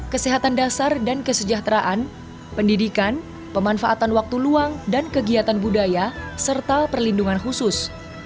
kesehatan dasar dan kesejahteraan pendidikan pemanfaatan waktu luang dan kegiatan budaya serta perlindungan khusus